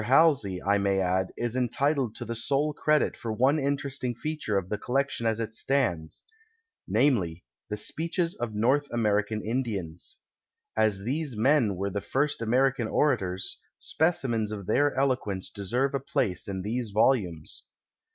Halsey, I may add, is entitled to the sole credit for one interesting feature of the collection as it stands — namely, the speeches of North American In dians. As these men were the first American ora tors, specimens of their eloquence deserve a place in these volumes.